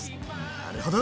なるほど！